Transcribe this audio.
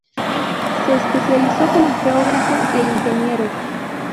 Se especializó como geógrafo e ingeniero.